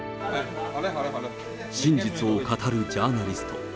真実を語るジャーナリスト。